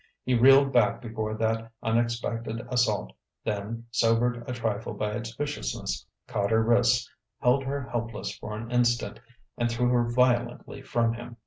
He reeled back before that unexpected assault, then, sobered a trifle by its viciousness, caught her wrists, held her helpless for an instant, and threw her violently from him.